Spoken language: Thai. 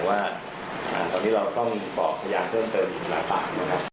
ว่าตอนนี้เราต้องสอบอย่างเพิ่มเติมอีกหลายปาก